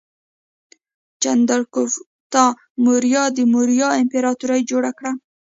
چندراګوپتا موریا د موریا امپراتورۍ جوړه کړه.